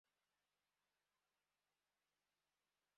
জীবনের শেষদিকে বেশ কয়েক বছর দূর্বল স্বাস্থ্যের অধিকারী ছিলেন।